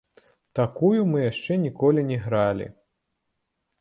Такую мы яшчэ ніколі не гралі.